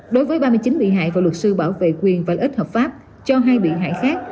đối với ba mươi chín bị hại và luật sư bảo vệ quyền và ích hợp pháp cho hai bị hại khác